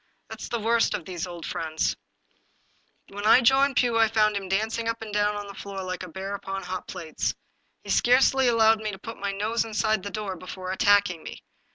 That is the worst of these old friends ! When I joined Pugh I found him dancing up and down the floor like a bear upon hot plates. He scarcely allowed me to put my nose inside the door before attacking me.